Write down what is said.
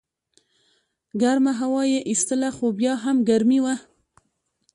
ګرمه هوا یې ایستله خو بیا هم ګرمي وه.